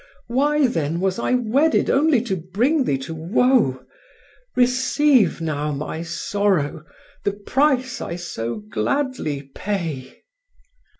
Why then was I wedded Only to bring thee to woe? Receive now my sorrow, The price I so gladly pay."